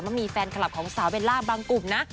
ว่ามีแฟนคลับของสาวเบลล่าบางกลุ่มนะ